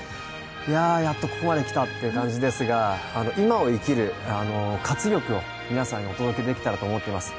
いや、やっとここまで来たって感じですが今を生きる活力を皆さんにお届けできたらと思っています。